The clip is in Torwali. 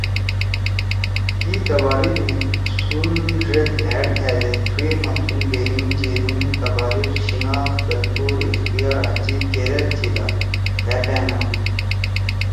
کی تباریخ می تُھن ڙید لھاڑ تھأ دے تھوئے ما تُھن دھیریِن، جیدُون، تباریخ، شناخت، کلتُور، اختیار آں جیِب گھیرأدچی دا تھأ پیانا